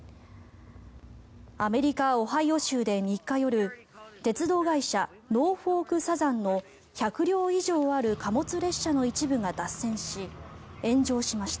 アメリカ・オハイオ州で３日夜鉄道会社ノーフォーク・サザンの１００両以上ある貨物列車の一部が脱線し炎上しました。